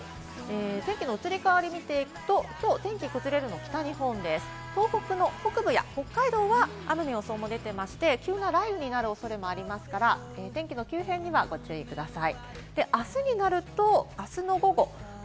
天気の移り変わりを見ていくと、崩れるのは北日本で東北の北部や北海道は予想も出ていまして、急な雷雨になるところもありますから、天気の急変にはご注意ください。